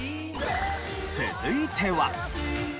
続いては。